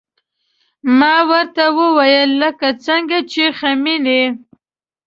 ما ورته وويل لکه څنګه چې خميني.